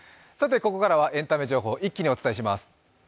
ここからはエンタメ情報を一気にお伝えします。